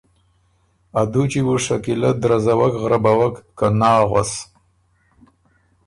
ا دُوچی بُو شکیلۀ درزوک غربوک که ”نا“ غؤس۔